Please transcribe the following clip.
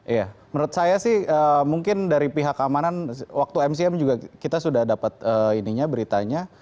iya menurut saya sih mungkin dari pihak keamanan waktu mcm juga kita sudah dapat beritanya